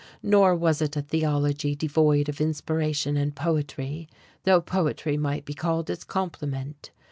Nor was it a theology devoid of inspiration and poetry, though poetry might be called its complement.